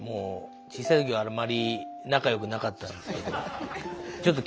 小さいときはあんまり仲よくなかったんですけど。